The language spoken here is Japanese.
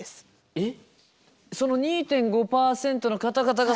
えっ？